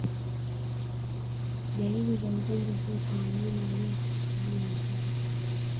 Dalili za ugonjwa huu kwa wanyama waliokufa au mizoga